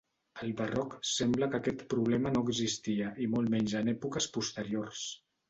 Al Barroc sembla que aquest problema no existia i molt menys en èpoques posteriors.